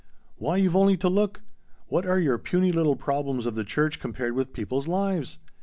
Why you've only to look! What are your puny little problems of the church compared with people's lives?